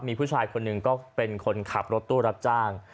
มีผู้ชายคนหนึ่งก็เป็นคนขับรถตู้รับจ้าง